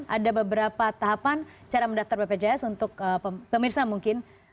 ada beberapa tahapan cara mendaftar bpjs untuk pemirsa mungkin